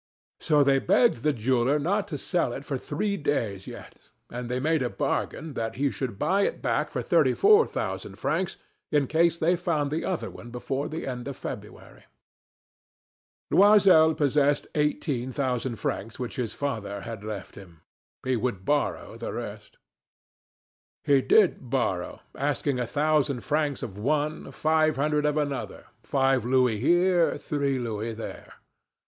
So they begged the jeweler not to sell it for three days yet. And they made a bargain that he should buy it back for thirty four thousand francs in case they found the other one before the end of February. Loisel possessed eighteen thousand francs which his father had left him. He would borrow the rest. He did borrow, asking a thousand francs of one, five hundred of another, five louis here, three louis there.